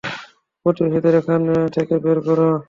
প্রতিবেশীদের এখান থেকে বের কর।